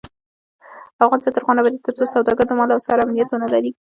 افغانستان تر هغو نه ابادیږي، ترڅو سوداګر د مال او سر امنیت ونلري.